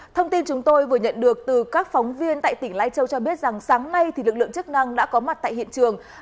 thông tin chúng tôi vừa nhận được từ các phóng viên tại tỉnh lai châu cho biết rằng sáng nay lực lượng chức năng đã có mặt tại hiện trường